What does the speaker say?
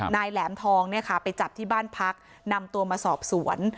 นายแหลมทองเนี่ยค่ะไปจับที่บ้านพักนำตัวมาสอบสวน